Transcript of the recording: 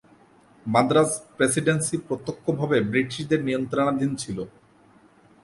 Madras Presidency প্রত্যক্ষভাবে ব্রিটিশদের নিয়ন্ত্রণাধীন ছিল।